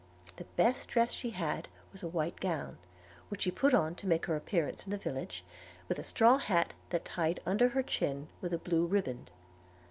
The best dress she had was a white gown, which she put on to make her appearance in the village, with a little straw hat tied under her chin with blue ribband.